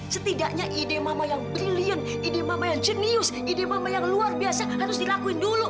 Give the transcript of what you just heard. setidaknya ide mama yang brilliant ide mama yang jenius ide mama yang luar biasa harus dilakuin dulu